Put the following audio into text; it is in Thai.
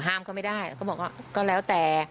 ห้ามเขาไม่ได้ก็บอกว่าก็แล้วแต่